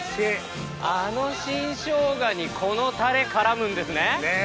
あの新ショウガにこのタレ絡むんですね。